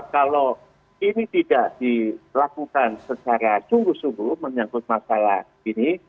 kalau ini tidak dilakukan secara sungguh sungguh menyangkut masalah ini